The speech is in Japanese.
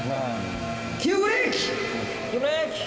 急ブレーキ！